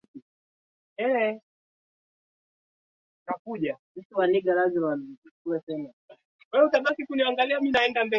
Bukombe mbunge ni Doitto Mashaka Biteko kupitia Chama cha mapinduzi